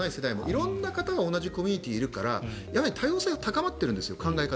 色んな方が同じコミュニティーにいるから多様性は高まっているんです考え方。